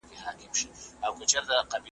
قانون پر ټولو یو شان تطبیقېږي.